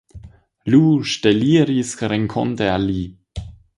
Iu ŝteliris renkonte al li.